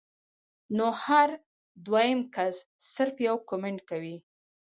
نو هر دويم کس صرف يو کمنټ کوي